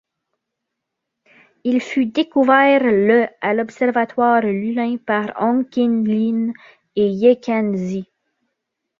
Il fut découvert le à l'Observatoire Lulin par Hong Qin Lin et Ye Quan-Zhi.